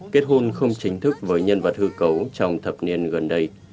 kết hôn không chính thức với nhân vật hư cấu trong thập niên gần đây